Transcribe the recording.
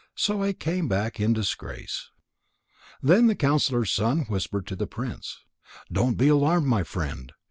So I came back in disgrace." Then the counsellor's son whispered to the prince: "Don't be alarmed, my friend.